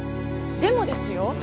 でもですよ